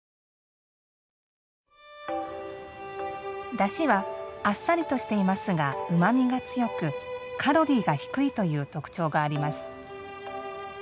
だしはあっさりとしていますがうまみが強く、カロリーが低いという特徴があります。